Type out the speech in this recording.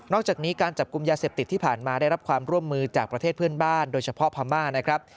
อกจากนี้การจับกลุ่มยาเสพติดที่ผ่านมาได้รับความร่วมมือจากประเทศเพื่อนบ้านโดยเฉพาะพม่านะครับ